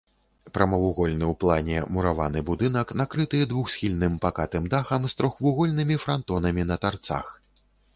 Прамавугольны ў плане мураваны будынак накрыты двухсхільным пакатым дахам з трохвугольнымі франтонамі на тарцах.